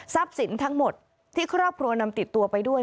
สินทั้งหมดที่ครอบครัวนำติดตัวไปด้วย